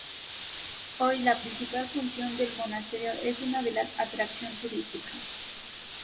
Hoy la principal función del monasterio es de una atracción turística.